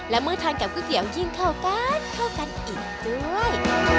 และเมื่อทานกับก๋วยเตี๋ยวยิ่งเข้ากันเข้ากันอีกด้วย